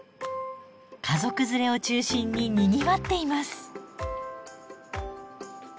家族連れを中心ににぎわっています。